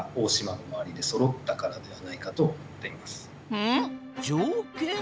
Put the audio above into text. うん？条件？